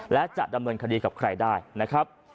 และจะดำเนินคดีกับใครได้นะครับ